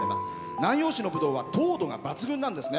南陽市のぶどうは糖度が抜群なんですよね。